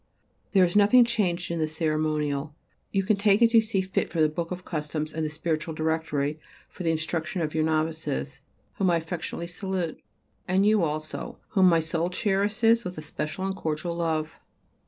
There is nothing changed in the ceremonial. You can take as you think fit from the Book of Customs and the Spiritual Directory for the instruction of your Novices, whom I affectionately salute, and you also whom my soul cherishes with a special and cordial love.